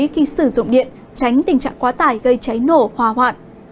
khi sử dụng điện tránh tình trạng quá tải gây cháy nổ hòa hoạn